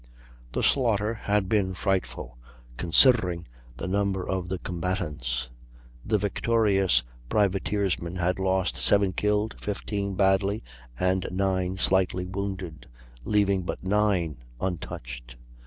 The slaughter had been frightful, considering the number of the combatants. The victorious privateersmen had lost 7 killed, 15 badly and 9 slightly wounded, leaving but 9 untouched!